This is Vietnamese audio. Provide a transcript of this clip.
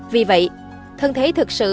vì vậy thân thế thực sự